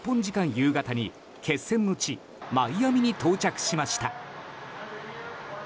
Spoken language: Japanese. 夕方に、決戦の地マイアミに到着しました。